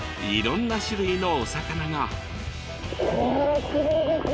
いろんな種類のお魚が。